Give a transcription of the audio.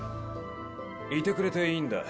いてくれていいんだ。